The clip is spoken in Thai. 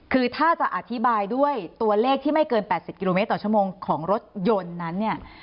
คือถ้าจะอธิบายด้วยตัวเลขที่ไม่เกิน๘๐กิโลเมตรต่อชั่วโมงของรถยนต์นั้นเนี่ย